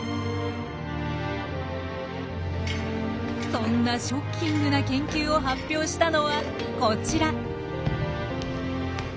そんなショッキングな研究を発表したのはこちら。